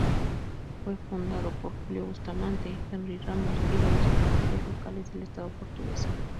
Fue fundado por Julio Bustamante, Henry Ramos y varios empresarios locales del Estado Portuguesa.